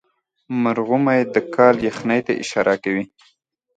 مرغومی د کال یخنۍ ته اشاره کوي.